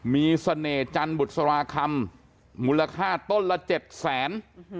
มีเสน่หจันทร์บุษราคำมูลค่าต้นละ๗แสน